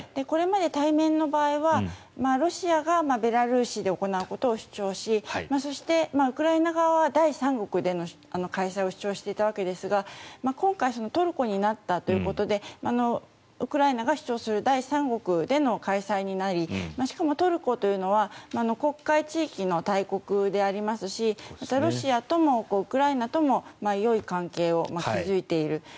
これまで対面の場合はロシアがベラルーシで行うことを主張しそしてウクライナ側は第三国での開催を主張していたわけですが今回トルコになったということでウクライナが主張する第三国での開催となりしかもトルコというのは黒海地域の大国でありますしロシアともウクライナともよい関係を築いている。